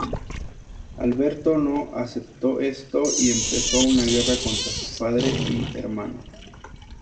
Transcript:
Alberto no aceptó esto y empezó una guerra contra su padre y hermano.